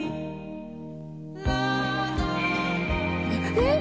えっ！